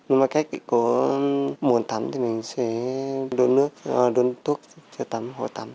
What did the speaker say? hộ tắm thì mình sẽ đôn nước đôn thuốc cho tắm hộ tắm